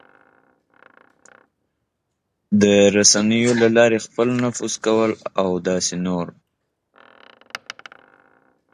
د رسنیو له لارې خپل نفوذ کول او داسې نور...